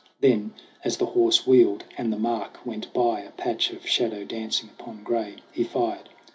Then as the horse wheeled and the mark went by A patch of shadow dancing upon gray He fired.